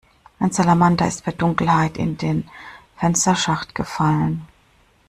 Ein Salamander ist bei Dunkelheit in den Fensterschacht gefallen.